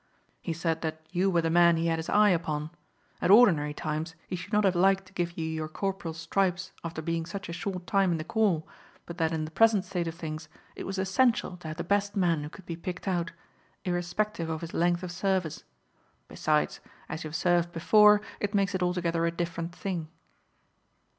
He said that you were the man he had his eye upon. At ordinary times he should not have liked to give you your corporal's stripes after being such a short time in the corps, but that in the present state of things it was essential to have the best man who could be picked out, irrespective of his length of service: besides, as you have served before it makes it altogether a different thing."